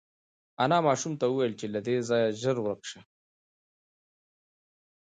انا ماشوم ته وویل چې له دې ځایه زر ورک شه.